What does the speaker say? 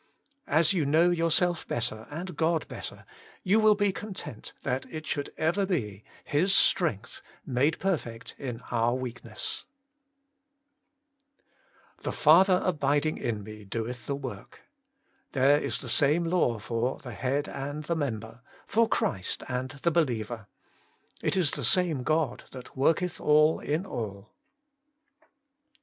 As you know yourself better and God better, you will be content that it should ever be — His strength made perfect in our weakness. Working for God 45 1. ' The Father abiding in Me doeth the work.' There is the same law for the Head and the member, for Christ and the behever. ' It is the same God that worketh all in all.'